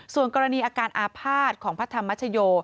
ส่วนกรณีอาการอาภาษณ์ของพระธรรมชโย